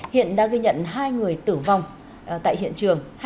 hiện đã ghi nhận hai người tử vong tại hiện trường